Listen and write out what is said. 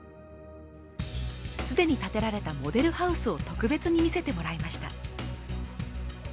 既に建てられたモデルハウスを特別に見せてもらいました。